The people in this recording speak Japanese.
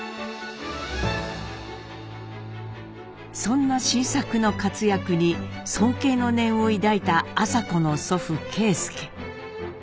そんな新作の活躍に尊敬の念を抱いた麻子の祖父啓介。